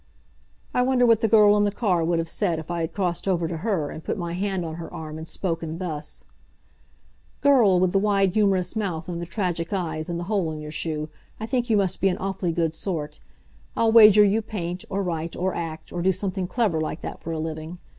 I wonder what the girl in the car would have said if I had crossed over to her, and put my hand on her arm and spoken, thus: "Girl with the wide, humorous mouth, and the tragic eyes, and the hole in your shoe, I think you must be an awfully good sort. I'll wager you paint, or write, or act, or do something clever like that for a living.